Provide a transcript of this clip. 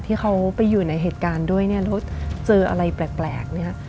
ที่เขาไปอยู่ในเหตุการณ์ด้วยเนี่ยแล้วเจออะไรแปลกเนี่ย